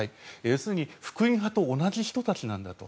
要するに福音派と同じ人たちなんだと。